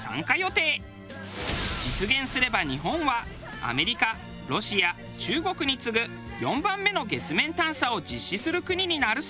実現すれば日本はアメリカロシア中国に次ぐ４番目の月面探査を実施する国になるそうです。